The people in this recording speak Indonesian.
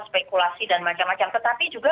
spekulasi dan macam macam tetapi juga